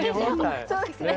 そうですね。